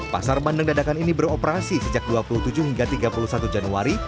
pasar bandeng dadakan ini beroperasi sejak dua puluh tujuh hingga tiga puluh satu januari